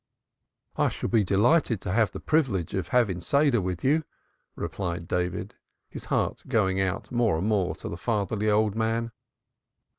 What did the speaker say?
"I shall be delighted to have the privilege of having Seder with you," replied David, his heart going out more and more to the fatherly old man.